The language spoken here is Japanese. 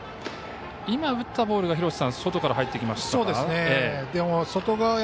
今、打ったボールが外から入ってきましたか。